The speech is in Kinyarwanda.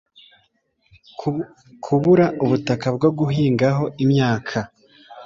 kubura ubutaka bwo guhingaho imyaka